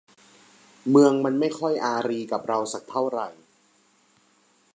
เมืองมันไม่ค่อยอารีกับเราสักเท่าไหร่